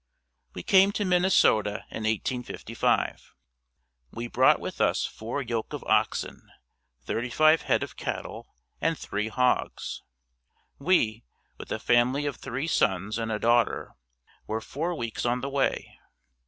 We came to Minnesota in 1855. We brought with us four yoke of oxen, thirty five head of cattle and three hogs. We, with a family of three sons and a daughter, were four weeks on the way.